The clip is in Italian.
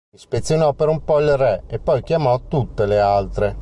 Ispezionò per un po’ il re e poi chiamò tutte le altre.